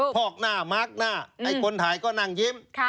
พอกหน้ามาร์คหน้าไอ้คนถ่ายก็นั่งยิ้ม